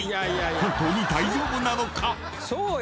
［本当に大丈夫なのか？］